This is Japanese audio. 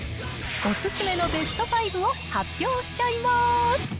お勧めのベスト５を発表しちゃいます。